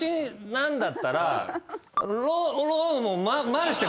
なんだったら「ー」も○して。